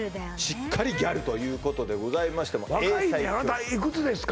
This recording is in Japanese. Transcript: しっかりギャルということでございまして若いんやろいくつですか？